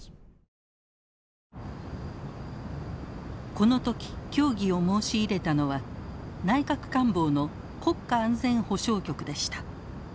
この時協議を申し入れたのは内閣官房の国家安全保障局でした。